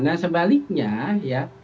nah sebaliknya ya